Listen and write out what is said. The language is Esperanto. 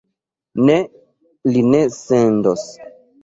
Ne, li ne sendos.